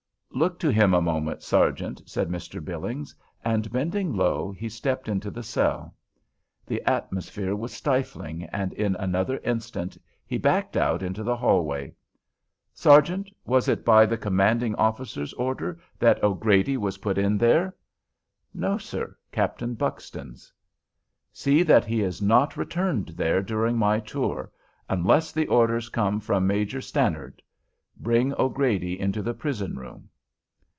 "Look to him a moment, sergeant," said Mr. Billings, and, bending low, he stepped into the cell. The atmosphere was stifling, and in another instant he backed out into the hall way. "Sergeant, was it by the commanding officer's order that O'Grady was put in there?" "No, sir; Captain Buxton's." "See that he is not returned there during my tour, unless the orders come from Major Stannard. Bring O'Grady into the prison room."